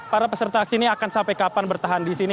para peserta aksi ini akan sampai kapan bertahan di sini